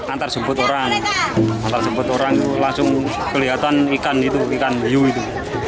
antar sempat orang antar sempat orang itu langsung kelihatan ikan itu ikan hiu itu